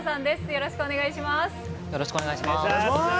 よろしくお願いします。